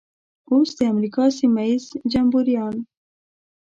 اوس د امریکا سیمه ییز جمبوریان.